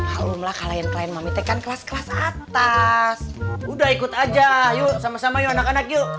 haumlah kalian klien mamite kan kelas kelas atas udah ikut aja yuk sama sama yuk anak anak yuk